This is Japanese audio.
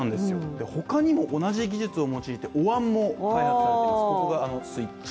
他にも同じ技術を用いておわんも開発されています。